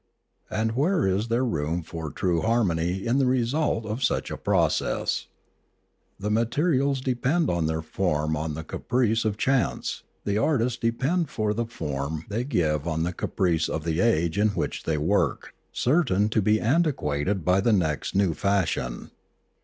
And where is there room for true harmony ui the result of such a process ? The materials depend for their form on the caprice of chance; the artists depend for the form they give on the caprice of the age in which they work, certain to be antiquated by the next new fashion.